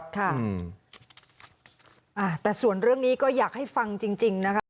แต่ส่วนเรื่องนี้ก็อยากให้ฟังจริงนะคะ